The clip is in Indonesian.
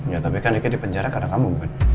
ya tapi kan ricky di penjara karena kamu